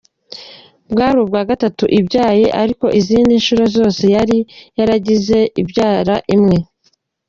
Bwari ubwa gatatu ibyaye ariko izindi nshuro zose yari yaragiye ibyara imwe.